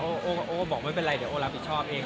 โอ้บอกไม่เป็นไรเดี๋ยวโอรับผิดชอบเอง